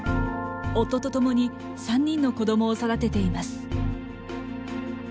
夫と共に３人の子どもを育てています。